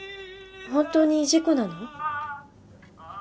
本当に事故なの？